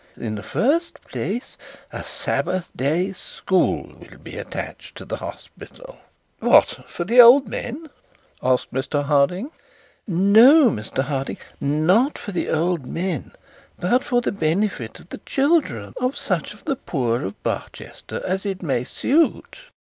In the first place, a Sabbath day school will be attached to the hospital.' 'What! For the old men?' asked Mr Harding. 'No, Mr Harding, not for the old men, but for the benefit of the children of such of the poor of Barchester as it may suit.